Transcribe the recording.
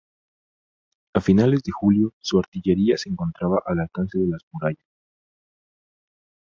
A finales de julio, su artillería se encontraba al alcance de las murallas.